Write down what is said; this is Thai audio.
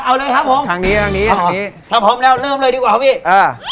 เอาเลยครับผมทางนี้ทางนี้ทางนี้ถ้าพร้อมแล้วเริ่มเลยดีกว่าครับพี่อ่า